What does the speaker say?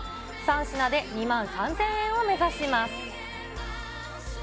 ３品で２万３０００円を目指します。